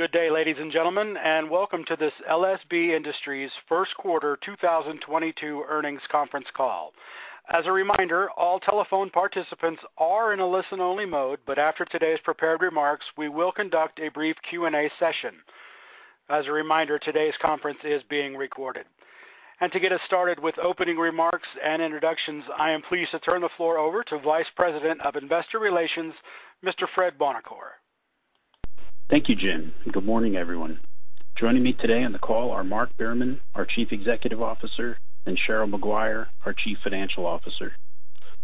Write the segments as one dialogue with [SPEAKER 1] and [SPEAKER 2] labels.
[SPEAKER 1] Good day, ladies and gentlemen, and welcome to this LSB Industries first quarter 2022 earnings conference call. As a reminder, all telephone participants are in a listen-only mode, but after today's prepared remarks, we will conduct a brief Q&A session. As a reminder, today's conference is being recorded. To get us started with opening remarks and introductions, I am pleased to turn the floor over to Vice President of Investor Relations, Mr. Fred Buonocore.
[SPEAKER 2] Thank you, Jim, and good morning, everyone. Joining me today on the call are Mark Behrman, our Chief Executive Officer, and Cheryl Maguire, our Chief Financial Officer.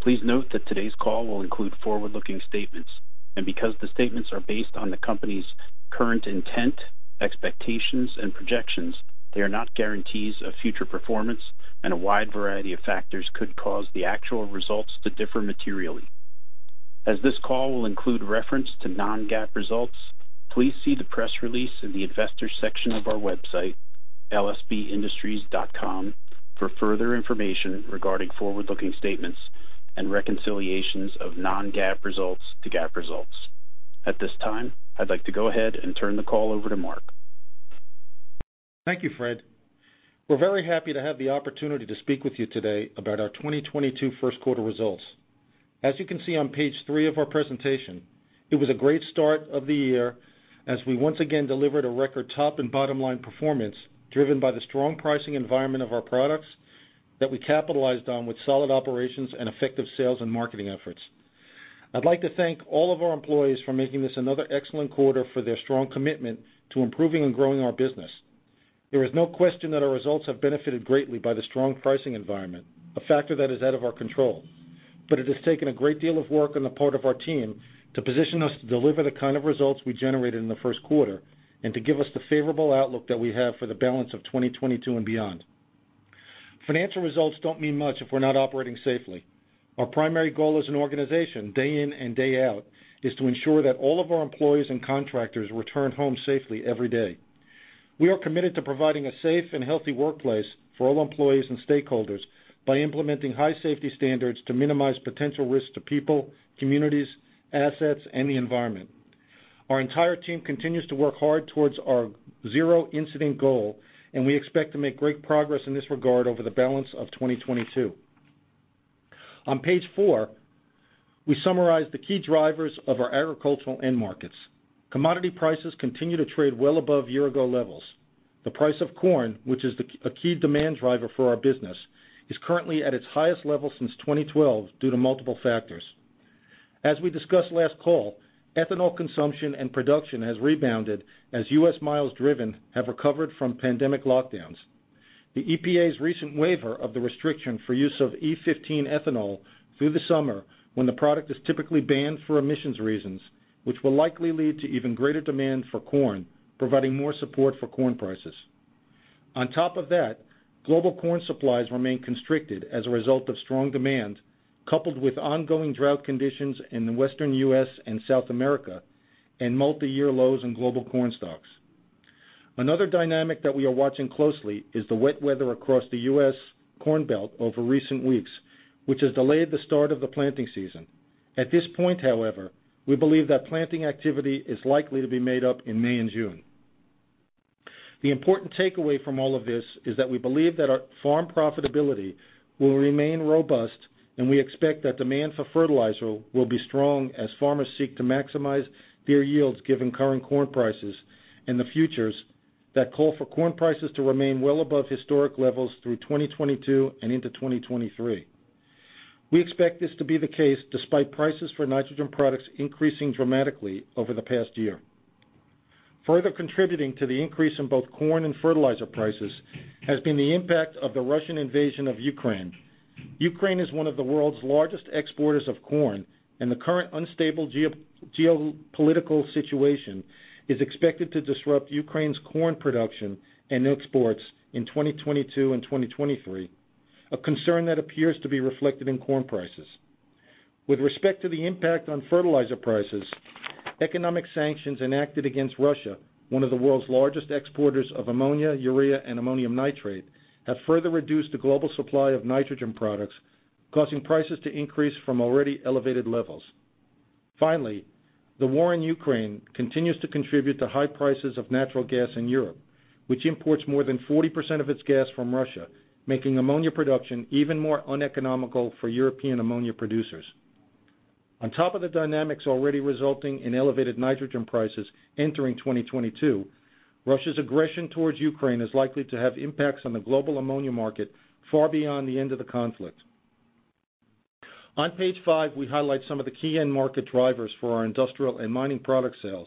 [SPEAKER 2] Please note that today's call will include forward-looking statements, and because the statements are based on the company's current intent, expectations, and projections, they are not guarantees of future performance, and a wide variety of factors could cause the actual results to differ materially. As this call will include reference to non-GAAP results, please see the press release in the Investors section of our website, lsbindustries.com, for further information regarding forward-looking statements and reconciliations of non-GAAP results to GAAP results. At this time, I'd like to go ahead and turn the call over to Mark.
[SPEAKER 3] Thank you, Fred. We're very happy to have the opportunity to speak with you today about our 2022 first quarter results. As you can see on Page 3 of our presentation, it was a great start of the year as we once again delivered a record top and bottom line performance driven by the strong pricing environment of our products that we capitalized on with solid operations and effective sales and marketing efforts. I'd like to thank all of our employees for making this another excellent quarter for their strong commitment to improving and growing our business. There is no question that our results have benefited greatly by the strong pricing environment, a factor that is out of our control. It has taken a great deal of work on the part of our team to position us to deliver the kind of results we generated in the first quarter and to give us the favorable outlook that we have for the balance of 2022 and beyond. Financial results don't mean much if we're not operating safely. Our primary goal as an organization, day in and day out, is to ensure that all of our employees and contractors return home safely every day. We are committed to providing a safe and healthy workplace for all employees and stakeholders by implementing high safety standards to minimize potential risks to people, communities, assets, and the environment. Our entire team continues to work hard towards our zero-incident goal, and we expect to make great progress in this regard over the balance of 2022. On Page 4, we summarize the key drivers of our agricultural end markets. Commodity prices continue to trade well above year-ago levels. The price of corn, which is a key demand driver for our business, is currently at its highest level since 2012 due to multiple factors. As we discussed last call, ethanol consumption and production has rebounded as U.S. miles driven have recovered from pandemic lockdowns. The EPA's recent waiver of the restriction for use of E15 ethanol through the summer when the product is typically banned for emissions reasons, which will likely lead to even greater demand for corn, providing more support for corn prices. On top of that, global corn supplies remain constricted as a result of strong demand, coupled with ongoing drought conditions in the Western U.S. and South America and multiyear lows in global corn stocks. Another dynamic that we are watching closely is the wet weather across the U.S. Corn Belt over recent weeks, which has delayed the start of the planting season. At this point, however, we believe that planting activity is likely to be made up in May and June. The important takeaway from all of this is that we believe that our farm profitability will remain robust, and we expect that demand for fertilizer will be strong as farmers seek to maximize their yields given current corn prices in the futures that call for corn prices to remain well above historic levels through 2022 and into 2023. We expect this to be the case despite prices for nitrogen products increasing dramatically over the past year. Further contributing to the increase in both corn and fertilizer prices has been the impact of the Russian invasion of Ukraine. Ukraine is one of the world's largest exporters of corn, and the current unstable geopolitical situation is expected to disrupt Ukraine's corn production and exports in 2022 and 2023, a concern that appears to be reflected in corn prices. With respect to the impact on fertilizer prices, economic sanctions enacted against Russia, one of the world's largest exporters of ammonia, urea, and ammonium nitrate, have further reduced the global supply of nitrogen products, causing prices to increase from already elevated levels. Finally, the war in Ukraine continues to contribute to high prices of natural gas in Europe, which imports more than 40% of its gas from Russia, making ammonia production even more uneconomical for European ammonia producers. On top of the dynamics already resulting in elevated nitrogen prices entering 2022, Russia's aggression towards Ukraine is likely to have impacts on the global ammonia market far beyond the end of the conflict. On Page 5, we highlight some of the key end market drivers for our industrial and mining product sales.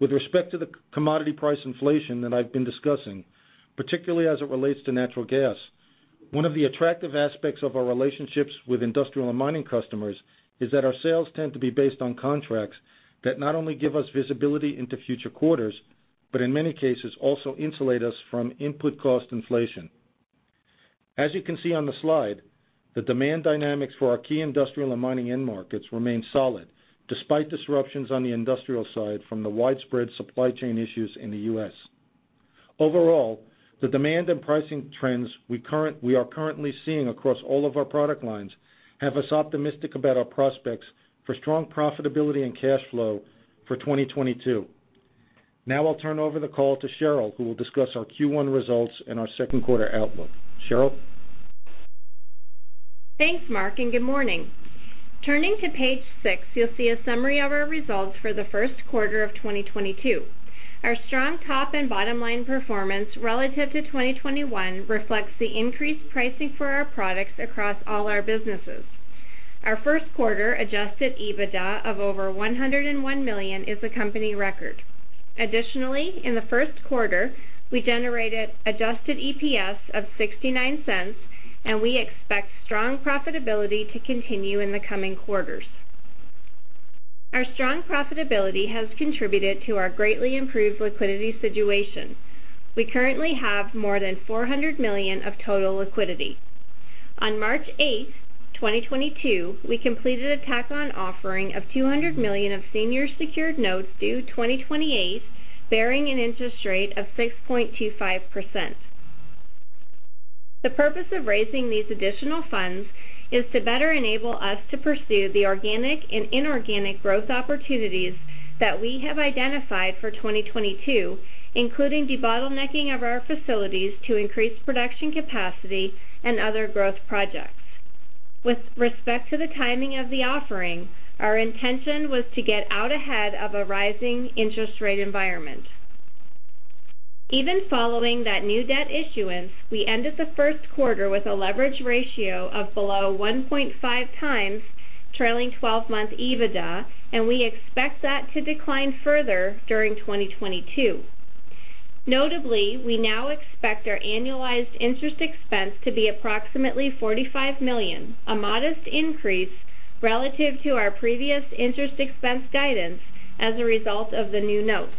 [SPEAKER 3] With respect to the commodity price inflation that I've been discussing, particularly as it relates to natural gas, one of the attractive aspects of our relationships with industrial and mining customers is that our sales tend to be based on contracts that not only give us visibility into future quarters, but in many cases also insulate us from input cost inflation. As you can see on the slide, the demand dynamics for our key industrial and mining end markets remain solid despite disruptions on the industrial side from the widespread supply chain issues in the U.S. Overall, the demand and pricing trends we are currently seeing across all of our product lines have us optimistic about our prospects for strong profitability and cash flow for 2022. Now I'll turn over the call to Cheryl, who will discuss our Q1 results and our second quarter outlook. Cheryl?
[SPEAKER 4] Thanks, Mark, and good morning. Turning to page 6, you'll see a summary of our results for the first quarter of 2022. Our strong top and bottom line performance relative to 2021 reflects the increased pricing for our products across all our businesses. Our first quarter adjusted EBITDA of over $101 million is a company record. Additionally, in the first quarter, we generated adjusted EPS of $0.69, and we expect strong profitability to continue in the coming quarters. Our strong profitability has contributed to our greatly improved liquidity situation. We currently have more than $400 million of total liquidity. On March 8th, 2022, we completed a tack on offering of $200 million of senior secured notes due 2028, bearing an interest rate of 6.25%. The purpose of raising these additional funds is to better enable us to pursue the organic and inorganic growth opportunities that we have identified for 2022, including debottlenecking of our facilities to increase production capacity and other growth projects. With respect to the timing of the offering, our intention was to get out ahead of a rising interest rate environment. Even following that new debt issuance, we ended the first quarter with a leverage ratio of below 1.5x trailing 12-month EBITDA, and we expect that to decline further during 2022. Notably, we now expect our annualized interest expense to be approximately $45 million, a modest increase relative to our previous interest expense guidance as a result of the new notes.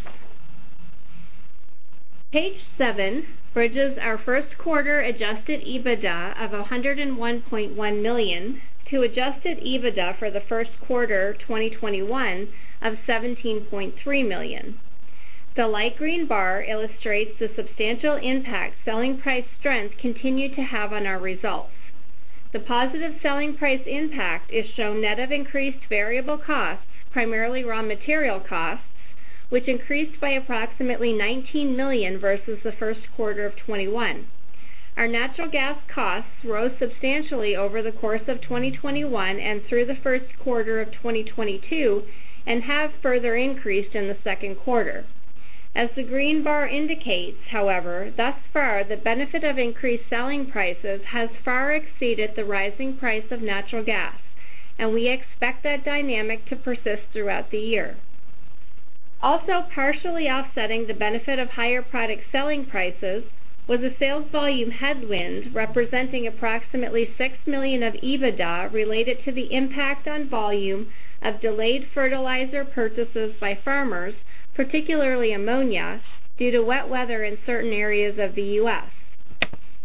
[SPEAKER 4] Page 7 bridges our first quarter adjusted EBITDA of $101.1 million to adjusted EBITDA for the first quarter 2021 of $17.3 million. The light green bar illustrates the substantial impact selling price strength continued to have on our results. The positive selling price impact is shown net of increased variable costs, primarily raw material costs, which increased by approximately $19 million versus the first quarter of 2021. Our natural gas costs rose substantially over the course of 2021 and through the first quarter of 2022 and have further increased in the second quarter. As the green bar indicates, however, thus far, the benefit of increased selling prices has far exceeded the rising price of natural gas, and we expect that dynamic to persist throughout the year. Partially offsetting the benefit of higher product selling prices was a sales volume headwind representing approximately $6 million of EBITDA related to the impact on volume of delayed fertilizer purchases by farmers, particularly ammonia, due to wet weather in certain areas of the U.S.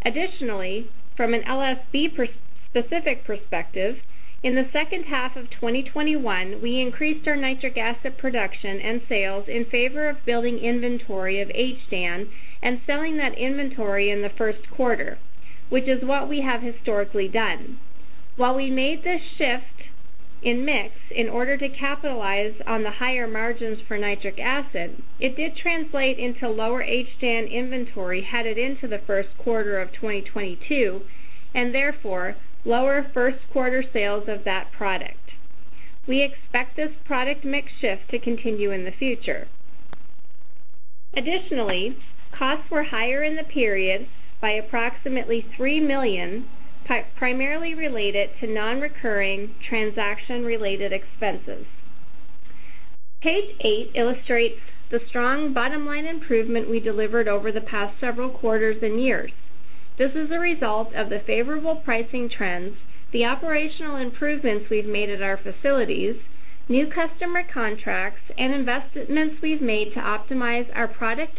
[SPEAKER 4] Additionally, from an LSB specific perspective, in the second half of 2021, we increased our nitric acid production and sales in favor of building inventory of HDAN and selling that inventory in the first quarter, which is what we have historically done. While we made this shift in mix in order to capitalize on the higher margins for nitric acid, it did translate into lower HDAN inventory headed into the first quarter of 2022, and therefore, lower first quarter sales of that product. We expect this product mix shift to continue in the future. Costs were higher in the period by approximately $3 million, primarily related to non-recurring transaction-related expenses. Page 8 illustrates the strong bottom-line improvement we delivered over the past several quarters and years. This is a result of the favorable pricing trends, the operational improvements we've made at our facilities, new customer contracts, and investments we've made to optimize our product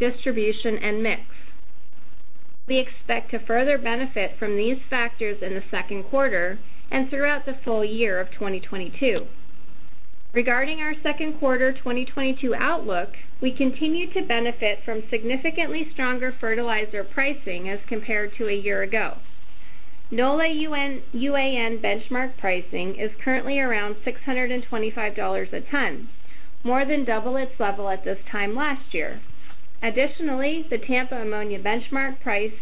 [SPEAKER 4] distribution and mix. We expect to further benefit from these factors in the second quarter and throughout the full year of 2022. Regarding our second quarter 2022 outlook, we continue to benefit from significantly stronger fertilizer pricing as compared to a year ago. NOLA UAN benchmark pricing is currently around $625 a ton, more than double its level at this time last year. Additionally, the Tampa ammonia benchmark price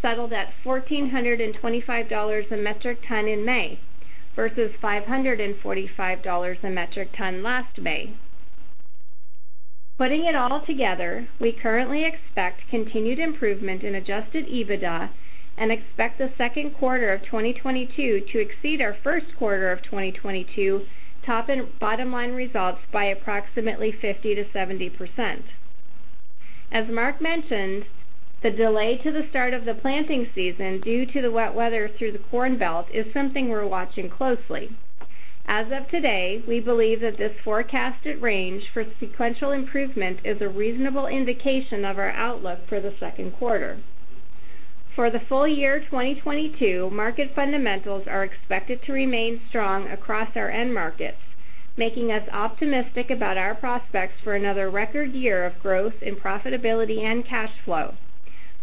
[SPEAKER 4] settled at $1,425 a metric ton in May versus $545 a metric ton last May. Putting it all together, we currently expect continued improvement in adjusted EBITDA and expect the second quarter of 2022 to exceed our first quarter of 2022 top and bottom line results by approximately 50%-70%. As Mark mentioned, the delay to the start of the planting season due to the wet weather through the Corn Belt is something we're watching closely. As of today, we believe that this forecasted range for sequential improvement is a reasonable indication of our outlook for the second quarter. For the full year 2022, market fundamentals are expected to remain strong across our end markets, making us optimistic about our prospects for another record year of growth in profitability and cash flow.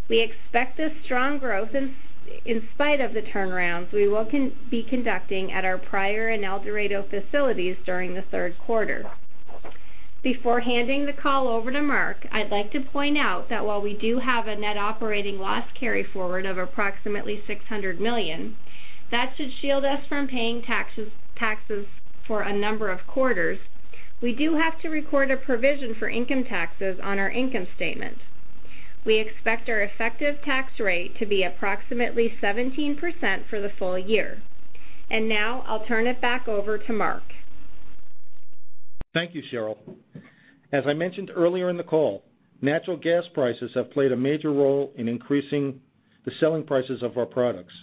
[SPEAKER 4] We expect this strong growth in spite of the turnarounds we will be conducting at our Pryor and El Dorado facilities during the third quarter. Before handing the call over to Mark, I'd like to point out that while we do have a net operating loss carry-forward of approximately $600 million, that should shield us from paying taxes for a number of quarters. We do have to record a provision for income taxes on our income statement. We expect our effective tax rate to be approximately 17% for the full year. Now I'll turn it back over to Mark.
[SPEAKER 3] Thank you, Cheryl. As I mentioned earlier in the call, natural gas prices have played a major role in increasing the selling prices of our products.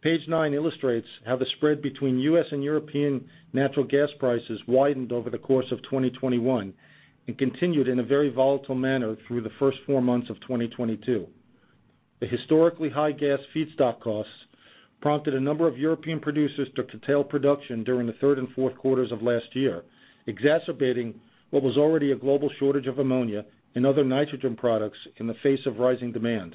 [SPEAKER 3] Page 9 illustrates how the spread between U.S. and European natural gas prices widened over the course of 2021 and continued in a very volatile manner through the first four months of 2022. The historically high gas feedstock costs prompted a number of European producers to curtail production during the third and fourth quarters of last year, exacerbating what was already a global shortage of ammonia and other nitrogen products in the face of rising demand.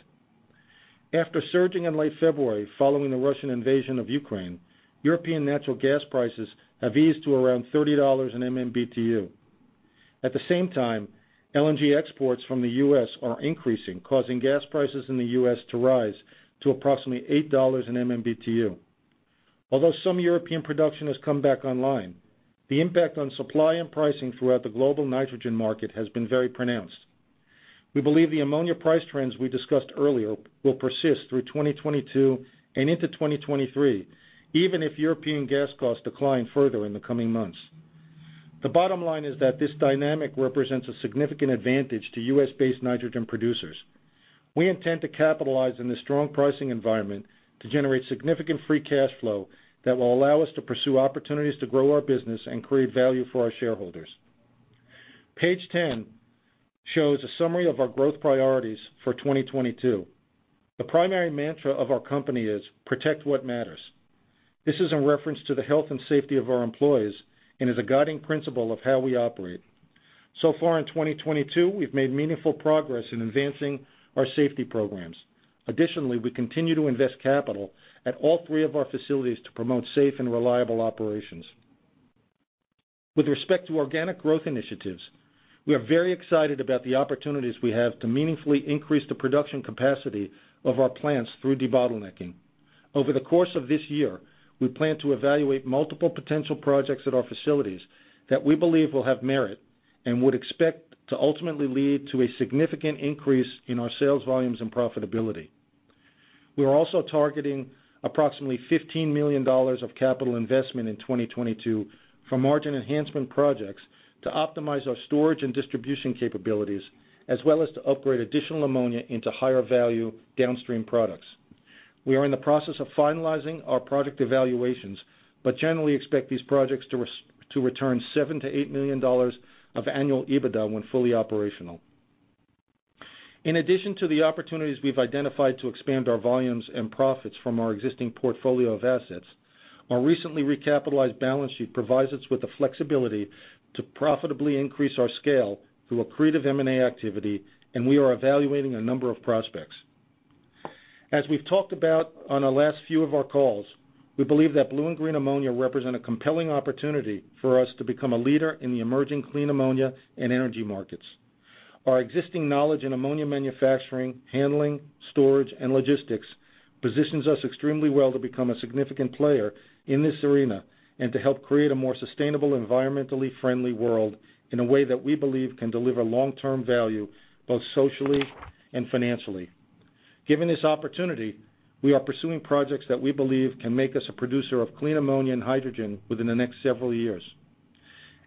[SPEAKER 3] After surging in late February following the Russian invasion of Ukraine, European natural gas prices have eased to around $30 per MMBtu. At the same time, LNG exports from the U.S. are increasing, causing gas prices in the U.S. to rise to approximately $8 per MMBtu. Although some European production has come back online, the impact on supply and pricing throughout the global nitrogen market has been very pronounced. We believe the ammonia price trends we discussed earlier will persist through 2022 and into 2023, even if European gas costs decline further in the coming months. The bottom line is that this dynamic represents a significant advantage to U.S.-based nitrogen producers. We intend to capitalize in this strong pricing environment to generate significant free cash flow that will allow us to pursue opportunities to grow our business and create value for our shareholders. Page 10 shows a summary of our growth priorities for 2022. The primary mantra of our company is protect what matters. This is in reference to the health and safety of our employees and is a guiding principle of how we operate. So far in 2022, we've made meaningful progress in advancing our safety programs. Additionally, we continue to invest capital at all three of our facilities to promote safe and reliable operations. With respect to organic growth initiatives, we are very excited about the opportunities we have to meaningfully increase the production capacity of our plants through debottlenecking. Over the course of this year, we plan to evaluate multiple potential projects at our facilities that we believe will have merit and would expect to ultimately lead to a significant increase in our sales volumes and profitability. We are also targeting approximately $15 million of capital investment in 2022 for margin enhancement projects to optimize our storage and distribution capabilities, as well as to upgrade additional ammonia into higher value downstream products. We are in the process of finalizing our project evaluations, but generally expect these projects to return $7 million-$8 million of annual EBITDA when fully operational. In addition to the opportunities we've identified to expand our volumes and profits from our existing portfolio of assets, our recently recapitalized balance sheet provides us with the flexibility to profitably increase our scale through accretive M&A activity, and we are evaluating a number of prospects. As we've talked about on the last few of our calls, we believe that blue and green ammonia represent a compelling opportunity for us to become a leader in the emerging clean ammonia and energy markets. Our existing knowledge in ammonia manufacturing, handling, storage, and logistics positions us extremely well to become a significant player in this arena and to help create a more sustainable, environmentally friendly world in a way that we believe can deliver long-term value both socially and financially. Given this opportunity, we are pursuing projects that we believe can make us a producer of clean ammonia and hydrogen within the next several years.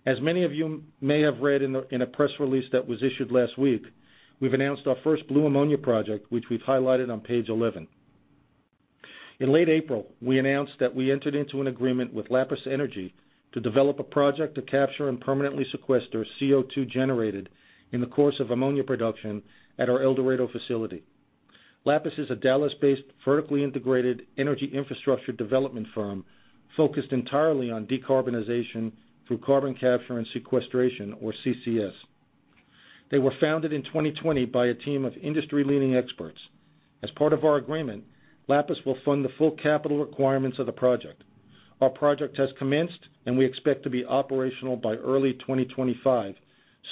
[SPEAKER 3] As many of you may have read in a press release that was issued last week, we've announced our first blue ammonia project, which we've highlighted on Page 11. In late April, we announced that we entered into an agreement with Lapis Energy to develop a project to capture and permanently sequester CO2 generated in the course of ammonia production at our El Dorado facility. Lapis Energy is a Dallas-based vertically integrated energy infrastructure development firm focused entirely on decarbonization through carbon capture and sequestration, or CCS. They were founded in 2020 by a team of industry-leading experts. As part of our agreement, Lapis Energy will fund the full capital requirements of the project. Our project has commenced, and we expect to be operational by early 2025,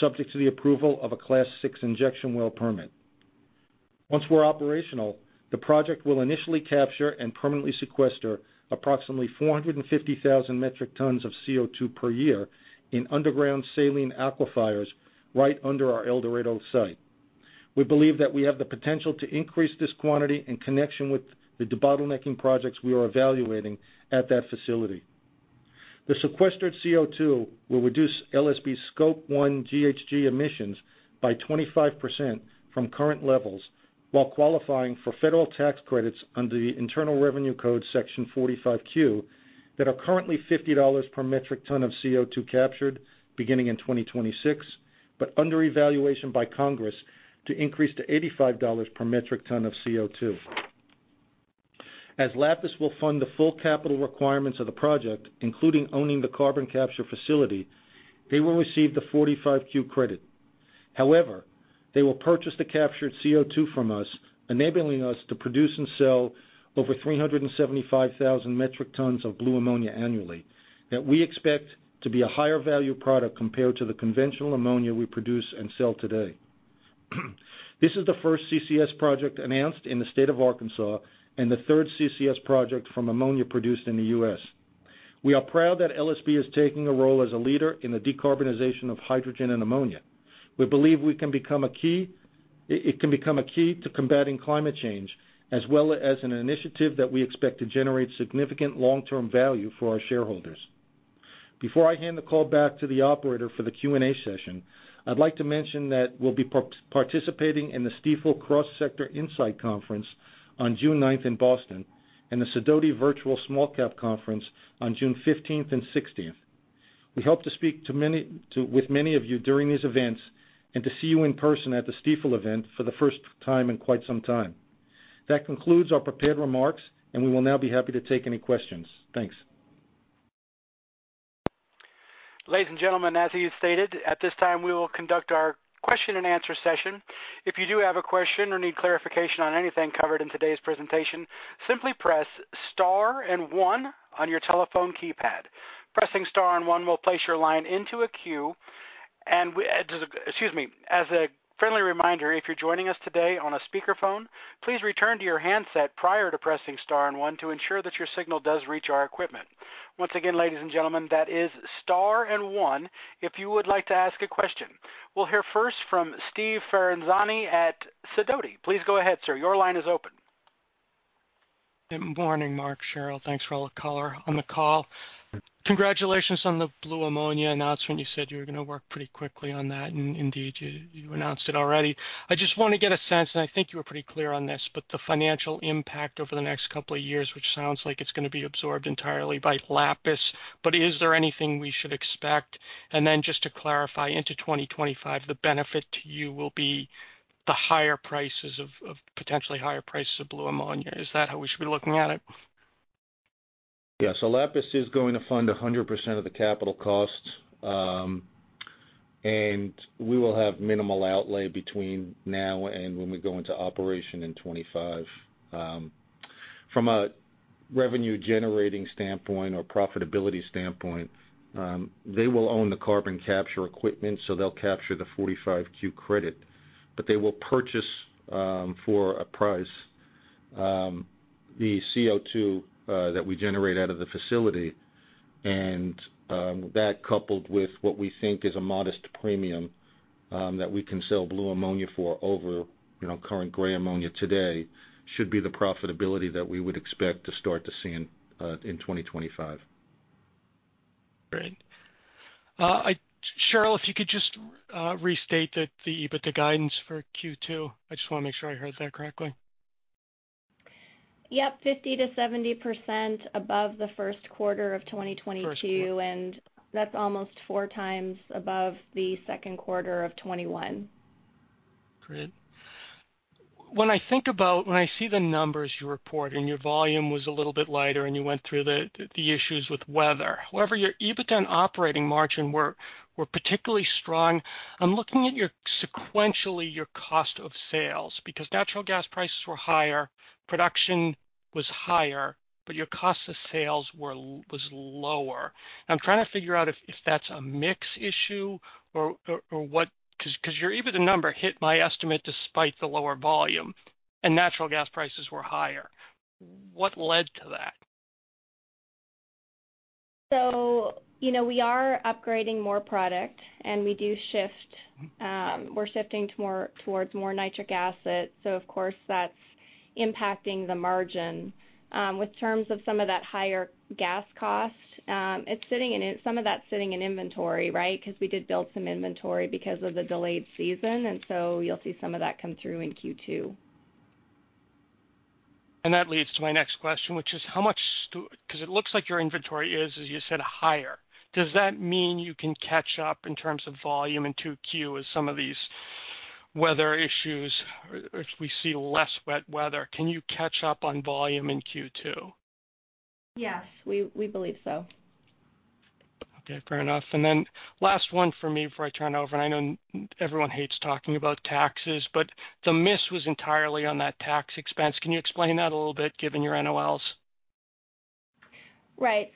[SPEAKER 3] subject to the approval of a Class VI injection well permit. Once we're operational, the project will initially capture and permanently sequester approximately 450,000 metric tons of CO2 per year in underground saline aquifers right under our El Dorado site. We believe that we have the potential to increase this quantity in connection with the debottlenecking projects we are evaluating at that facility. The sequestered CO2 will reduce LSB Scope 1 GHG emissions by 25% from current levels while qualifying for federal tax credits under the Internal Revenue Code Section 45Q that are currently $50 per metric ton of CO2 captured beginning in 2026, but under evaluation by Congress to increase to $85 per metric ton of CO2. As Lapis will fund the full capital requirements of the project, including owning the carbon capture facility, they will receive the 45Q credit. However, they will purchase the captured CO2 from us, enabling us to produce and sell over 375,000 metric tons of blue ammonia annually that we expect to be a higher value product compared to the conventional ammonia we produce and sell today. This is the first CCS project announced in the state of Arkansas and the third CCS project from ammonia produced in the U.S. We are proud that LSB is taking a role as a leader in the decarbonization of hydrogen and ammonia. We believe it can become a key to combating climate change as well as an initiative that we expect to generate significant long-term value for our shareholders. Before I hand the call back to the operator for the Q&A session, I'd like to mention that we'll be participating in the Stifel Cross Sector Insight Conference on June 9th in Boston, and the Sidoti Small-Cap Virtual Conference on June 15th and 16th. We hope to speak with many of you during these events and to see you in person at the Stifel event for the first time in quite some time. That concludes our prepared remarks, and we will now be happy to take any questions. Thanks.
[SPEAKER 1] Ladies and gentlemen, as he has stated, at this time, we will conduct our question and answer session. If you do have a question or need clarification on anything covered in today's presentation, simply press Star and one on your telephone keypad. Pressing Star and one will place your line into a queue. As a friendly reminder, if you're joining us today on a speakerphone, please return to your handset prior to pressing Star and one to ensure that your signal does reach our equipment. Once again, ladies and gentlemen, that is Star and one if you would like to ask a question. We'll hear first from Steve Ferazani at Sidoti. Please go ahead, sir. Your line is open.
[SPEAKER 5] Good morning, Mark, Cheryl. Thanks for all the color on the call. Congratulations on the blue ammonia announcement. You said you were gonna work pretty quickly on that, and indeed, you announced it already. I just wanna get a sense, and I think you were pretty clear on this, but the financial impact over the next couple of years, which sounds like it's gonna be absorbed entirely by Lapis. Is there anything we should expect? Just to clarify, into 2025, the benefit to you will be the higher prices of potentially higher prices of blue ammonia. Is that how we should be looking at it?
[SPEAKER 3] Yes. Lapis is going to fund 100% of the capital costs, and we will have minimal outlay between now and when we go into operation in 2025. From a revenue generating standpoint or profitability standpoint, they will own the carbon capture equipment, so they'll capture the 45Q credit. They will purchase, for a price, the CO2 that we generate out of the facility. That coupled with what we think is a modest premium that we can sell blue ammonia for over, you know, current gray ammonia today, should be the profitability that we would expect to start to see in 2025.
[SPEAKER 5] Great. Cheryl, if you could just restate that the guidance for Q2. I just wanna make sure I heard that correctly.
[SPEAKER 4] Yep. 50%-70% above the first quarter of 2022.
[SPEAKER 5] First quarter.
[SPEAKER 4] That's almost four times above the second quarter of 2021.
[SPEAKER 5] Great. When I see the numbers you report, and your volume was a little bit lighter, and you went through the issues with weather. However, your EBITDA and operating margin were particularly strong. I'm looking at your sequential cost of sales because natural gas prices were higher, production was higher, but your cost of sales was lower. I'm trying to figure out if that's a mix issue or what 'cause your EBITDA number hit my estimate despite the lower volume, and natural gas prices were higher. What led to that?
[SPEAKER 4] You know, we are upgrading more product, and we do shift. We're shifting towards more nitric acid, so of course, that's impacting the margin. In terms of some of that higher gas cost, some of that's sitting in inventory, right? 'Cause we did build some inventory because of the delayed season, and you'll see some of that come through in Q2.
[SPEAKER 5] That leads to my next question, which is how much, 'cause it looks like your inventory is, as you said, higher. Does that mean you can catch up in terms of volume in 2Q as some of these weather issues, or if we see less wet weather, can you catch up on volume in Q2?
[SPEAKER 4] Yes, we believe so.
[SPEAKER 5] Okay, fair enough. Last one for me before I turn it over, and I know everyone hates talking about taxes, but the miss was entirely on that tax expense. Can you explain that a little bit given your NOLs?
[SPEAKER 4] Right.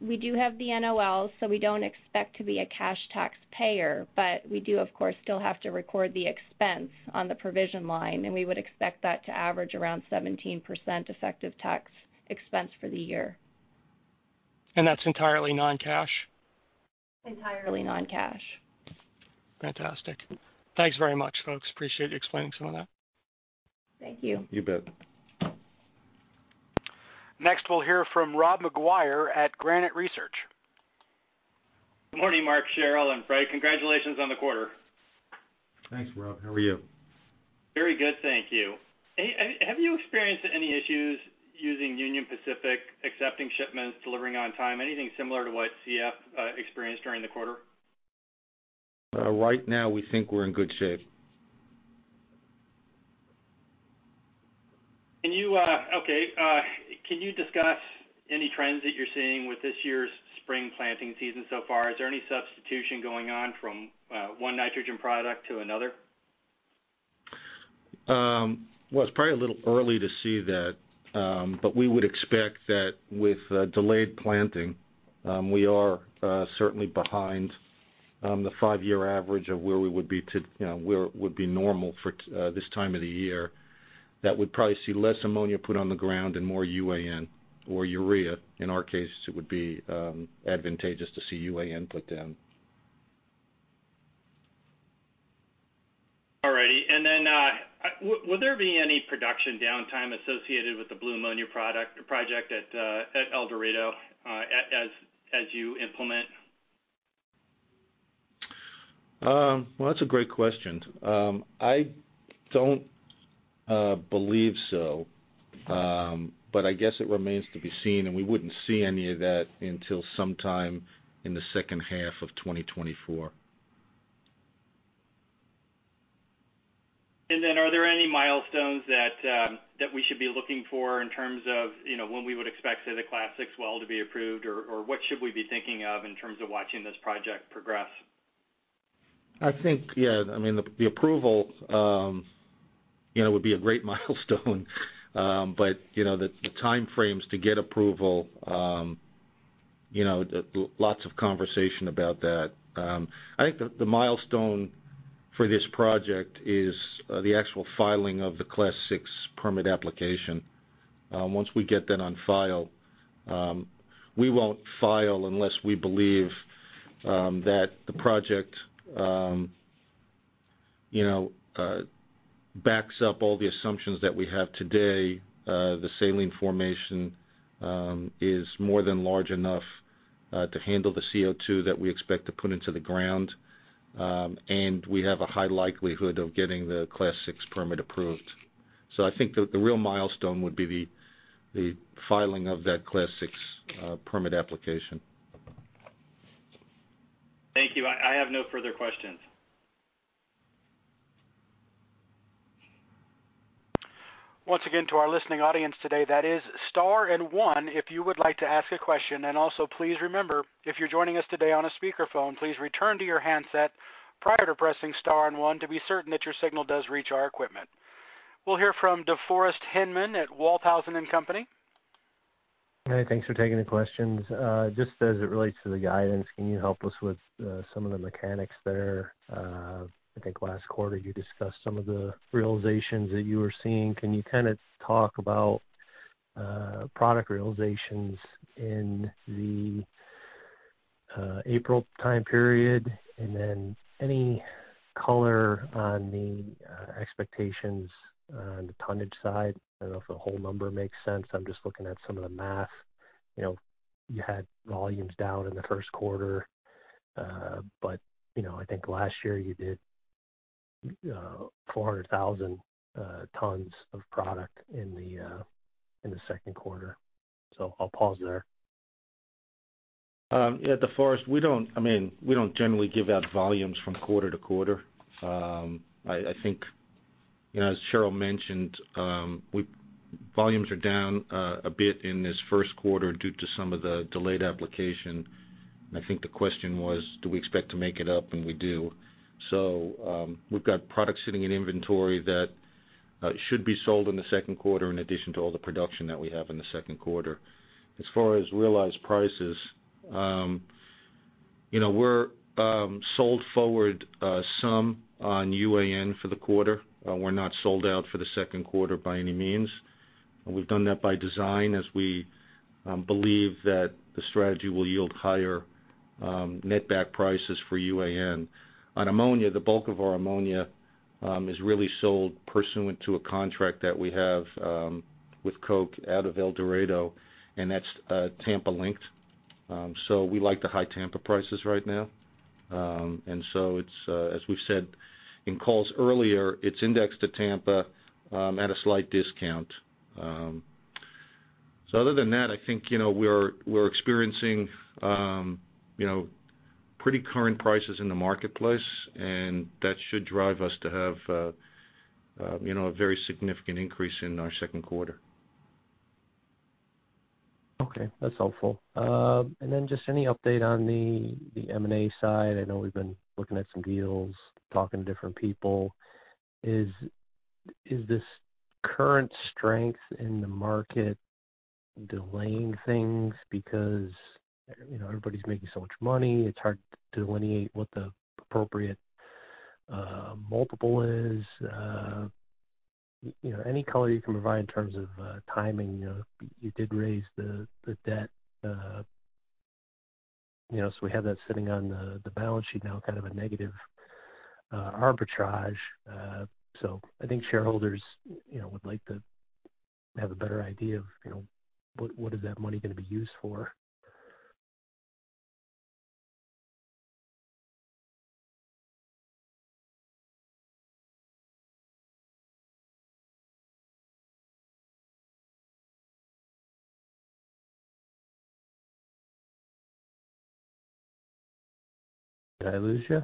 [SPEAKER 4] We do have the NOLs, so we don't expect to be a cash taxpayer, but we do, of course, still have to record the expense on the provision line, and we would expect that to average around 17% effective tax expense for the year.
[SPEAKER 5] That's entirely non-cash?
[SPEAKER 4] Entirely non-cash.
[SPEAKER 5] Fantastic. Thanks very much, folks. Appreciate you explaining some of that.
[SPEAKER 4] Thank you.
[SPEAKER 3] You bet.
[SPEAKER 1] Next, we'll hear from Rob McGuire at Granite Research.
[SPEAKER 6] Good morning, Mark, Cheryl, and Fred. Congratulations on the quarter.
[SPEAKER 3] Thanks, Rob. How are you?
[SPEAKER 6] Very good. Thank you. Have you experienced any issues using Union Pacific, accepting shipments, delivering on time, anything similar to what CF experienced during the quarter?
[SPEAKER 3] Right now we think we're in good shape.
[SPEAKER 6] Can you discuss any trends that you're seeing with this year's spring planting season so far? Is there any substitution going on from one nitrogen product to another?
[SPEAKER 3] Well, it's probably a little early to see that, but we would expect that with delayed planting, we are certainly behind the five-year average of where we would be to, you know, where would be normal for this time of the year. That we'd probably see less ammonia put on the ground and more UAN or urea. In our case, it would be advantageous to see UAN put down.
[SPEAKER 6] All righty. Would there be any production downtime associated with the Blue Ammonia project at El Dorado as you implement?
[SPEAKER 3] Well, that's a great question. I don't believe so. I guess it remains to be seen, and we wouldn't see any of that until sometime in the second half of 2024.
[SPEAKER 6] Are there any milestones that we should be looking for in terms of, you know, when we would expect, say, the Class VI well to be approved? Or what should we be thinking of in terms of watching this project progress?
[SPEAKER 3] I think, yeah, I mean, the approval, you know, would be a great milestone. You know, the time frames to get approval, you know, lots of conversation about that. I think the milestone for this project is the actual filing of the Class VI permit application. Once we get that on file. We won't file unless we believe that the project, you know, backs up all the assumptions that we have today. The saline formation is more than large enough to handle the CO2 that we expect to put into the ground. We have a high likelihood of getting the Class VI permit approved. I think the real milestone would be the filing of that Class VI permit application.
[SPEAKER 6] Thank you. I have no further questions.
[SPEAKER 1] Once again, to our listening audience today, that is star and one if you would like to ask a question. Also please remember, if you're joining us today on a speakerphone, please return to your handset prior to pressing star and one to be certain that your signal does reach our equipment. We'll hear from DeForest Hinman at Walthausen & Co.
[SPEAKER 7] Hey, thanks for taking the questions. Just as it relates to the guidance, can you help us with some of the mechanics there? I think last quarter you discussed some of the realizations that you were seeing. Can you kind of talk about product realizations in the April time period? And then any color on the expectations on the tonnage side? I don't know if the whole number makes sense. I'm just looking at some of the math. You know, you had volumes down in the first quarter. You know, I think last year you did 400,000 tons of product in the second quarter. I'll pause there.
[SPEAKER 3] Yeah, DeForest, I mean, we don't generally give out volumes from quarter-to-quarter. I think, you know, as Cheryl mentioned, volumes are down a bit in this first quarter due to some of the delayed application. I think the question was, do we expect to make it up? We do. We've got product sitting in inventory that should be sold in the second quarter in addition to all the production that we have in the second quarter. As far as realized prices, you know, we're sold forward some on UAN for the quarter. We're not sold out for the second quarter by any means. We've done that by design as we believe that the strategy will yield higher net back prices for UAN. On ammonia, the bulk of our ammonia is really sold pursuant to a contract that we have with Koch out of El Dorado, and that's Tampa-linked. We like the high Tampa prices right now. It's as we've said in calls earlier, it's indexed to Tampa at a slight discount. Other than that, I think, you know, we're experiencing, you know, pretty current prices in the marketplace, and that should drive us to have, you know, a very significant increase in our second quarter.
[SPEAKER 7] Okay, that's helpful. Then just any update on the M&A side? I know we've been looking at some deals, talking to different people. Is this current strength in the market delaying things because, you know, everybody's making so much money, it's hard to delineate what the appropriate multiple is? You know, any color you can provide in terms of timing? You know, you did raise the debt, you know, so we have that sitting on the balance sheet now, kind of a negative arbitrage. I think shareholders, you know, would like to have a better idea of, you know, what is that money gonna be used for? Did I lose you?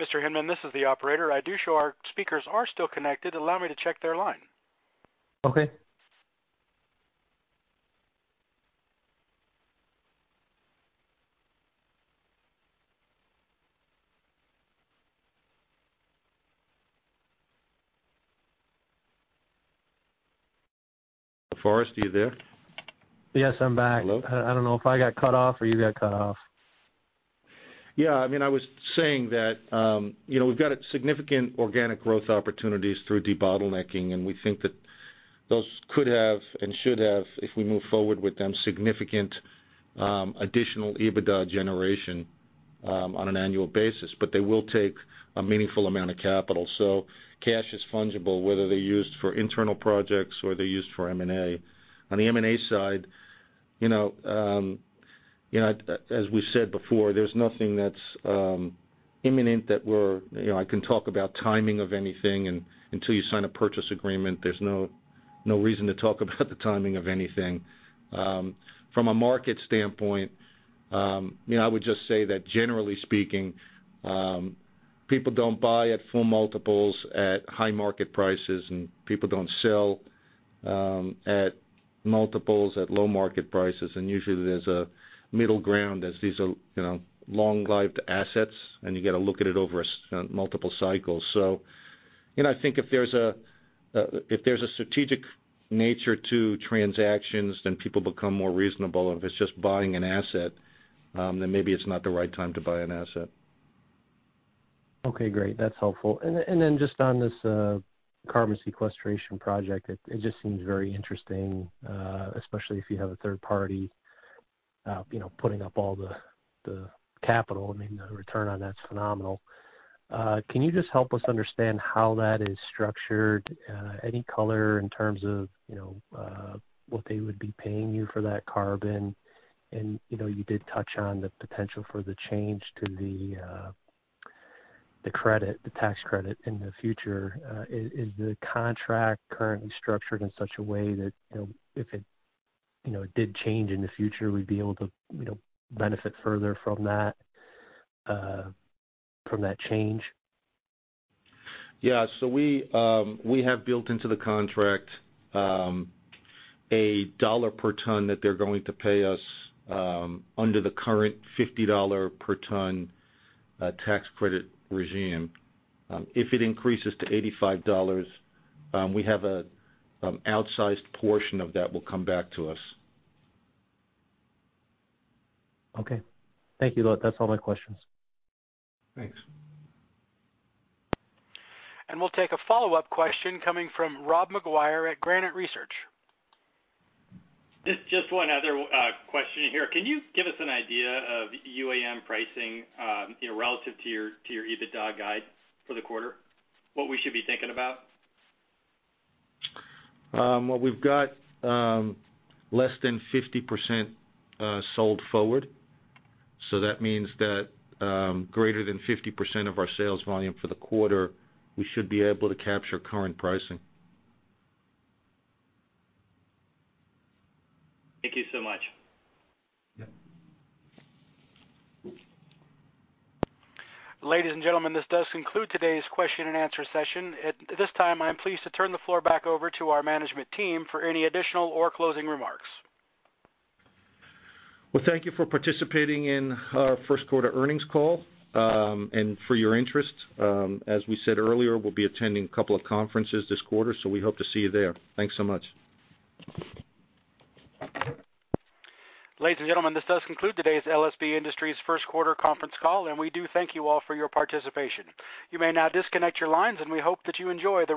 [SPEAKER 1] Mr. Hinman, this is the operator. I do show our speakers are still connected. Allow me to check their line.
[SPEAKER 7] Okay.
[SPEAKER 3] Forest, are you there?
[SPEAKER 7] Yes, I'm back.
[SPEAKER 3] Hello.
[SPEAKER 7] I don't know if I got cut off or you got cut off?
[SPEAKER 3] Yeah, I mean, I was saying that, you know, we've got a significant organic growth opportunities through debottlenecking, and we think that those could have and should have, if we move forward with them, significant, additional EBITDA generation, on an annual basis. But they will take a meaningful amount of capital. So cash is fungible, whether they're used for internal projects or they're used for M&A. On the M&A side, you know, as we said before, there's nothing that's imminent that we're, you know, I can talk about timing of anything. Until you sign a purchase agreement, there's no reason to talk about the timing of anything. From a market standpoint, you know, I would just say that generally speaking, people don't buy at full multiples at high market prices, and people don't sell at multiples at low market prices. Usually, there's a middle ground as these are, you know, long-lived assets, and you gotta look at it over a multiple cycles. You know, I think if there's a strategic nature to transactions, then people become more reasonable. If it's just buying an asset, then maybe it's not the right time to buy an asset.
[SPEAKER 7] Okay, great. That's helpful. Just on this carbon sequestration project, it just seems very interesting, especially if you have a third party, you know, putting up all the capital. I mean, the return on that's phenomenal. Can you just help us understand how that is structured? Any color in terms of, you know, what they would be paying you for that carbon? You know, you did touch on the potential for the change to the credit, the tax credit in the future. Is the contract currently structured in such a way that, you know, if it did change in the future, we'd be able to, you know, benefit further from that change?
[SPEAKER 3] We have built into the contract $1 per ton that they're going to pay us under the current $50 per ton tax credit regime. If it increases to $85, we have an outsized portion of that will come back to us.
[SPEAKER 7] Okay. Thank you. That's all my questions.
[SPEAKER 3] Thanks.
[SPEAKER 1] We'll take a follow-up question coming from Rob McGuire at Granite Research.
[SPEAKER 6] Just one other question here. Can you give us an idea of UAN pricing, you know, relative to your EBITDA guide for the quarter? What we should be thinking about?
[SPEAKER 3] What we've got, less than 50% sold forward. That means that greater than 50% of our sales volume for the quarter we should be able to capture current pricing.
[SPEAKER 6] Thank you so much.
[SPEAKER 3] Yep.
[SPEAKER 1] Ladies and gentlemen, this does conclude today's question and answer session. At this time, I'm pleased to turn the floor back over to our management team for any additional or closing remarks.
[SPEAKER 3] Well, thank you for participating in our first quarter earnings call, and for your interest. As we said earlier, we'll be attending a couple of conferences this quarter, so we hope to see you there. Thanks so much.
[SPEAKER 1] Ladies and gentlemen, this does conclude today's LSB Industries first quarter conference call, and we do thank you all for your participation. You may now disconnect your lines, and we hope that you enjoy the.